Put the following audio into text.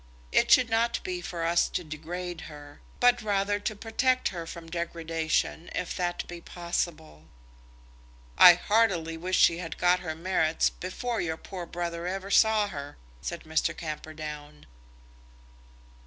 It should not be for us to degrade her; but rather to protect her from degradation, if that be possible." "I heartily wish she had got her merits before your poor brother ever saw her," said Mr. Camperdown.